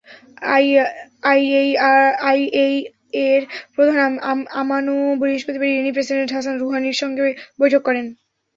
আইএইএর প্রধান আমানো বৃহস্পতিবার ইরানি president Hassan রুহানির সঙ্গে বৈঠক করেন।